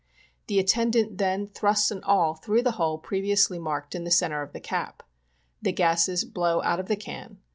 The attendant then thrusts an awl through the hole previously marked in the centre of the cap. The gases blow out of the can.